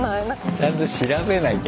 ちゃんと調べなきゃ。